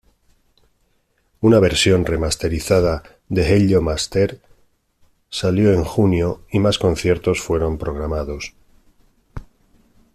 Una versión remasterizada de Hello Master salió en junio, y más conciertos fueron programados.